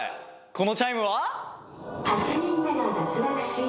このチャイムは？